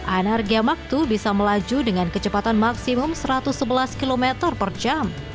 anargya mark ii bisa melaju dengan kecepatan maksimum satu ratus sebelas km per jam